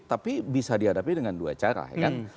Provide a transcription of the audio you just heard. tapi bisa dihadapi dengan dua cara kan